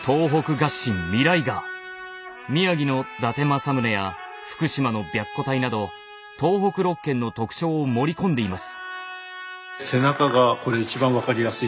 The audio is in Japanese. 宮城の伊達政宗や福島の白虎隊など東北六県の特徴を盛り込んでいます。